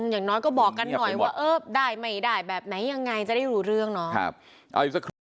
อย่างน้อยก็บอกกันหน่อยว่าเออได้ไม่ได้แบบไหนยังไงจะได้รู้เรื่องเนาะ